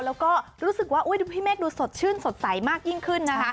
แล้วก็รู้สึกว่าพี่เมฆดูสดชื่นสดใสมากยิ่งขึ้นนะคะ